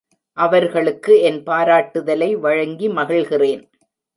அவர்களுக்கு என் பாராட்டுதலை வழங்கி மகிழ்கிறேன்.